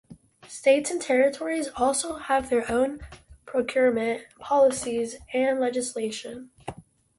States and territories also have their own procurement policies and legislation.